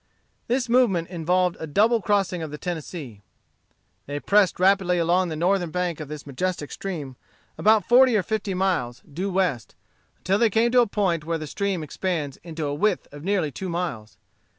This movement involved a double crossing of the Tennessee. They pressed rapidly along the northern bank of this majestic stream, about forty or fifty miles, due west, until they came to a point where the stream expands into a width of nearly two miles.